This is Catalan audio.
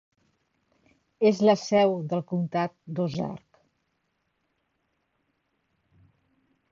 És la seu del comtat d'Ozark.